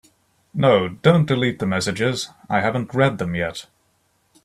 No, don’t delete the messages, I haven’t read them yet.